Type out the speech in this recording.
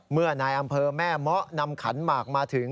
เมื่อนายอำเภอแม่เมาะนำขันหมากมาถึง